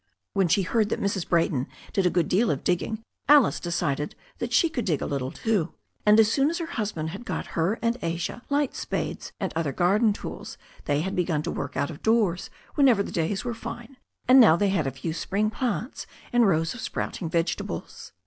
When she heard that Mrs. Brayton did a good deal of her digging Alice decided that she could dig a little too, and as soon as her husband had got her and Asia light spades and other garden tools they had begun to work out of doors whenever the days were fine, and now they had a few spring plants and rows of sprouting vegetables.